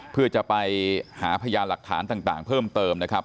เพื่อจะไปหาพยานหลักฐานต่างเพิ่มเติมนะครับ